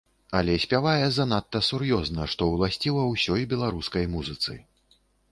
Але спявае занадта сур'ёзна, што ўласціва ўсёй беларускай музыцы.